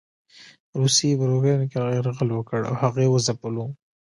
روسيې پر اوکراين يرغل وکړ او هغه یې وځپلو.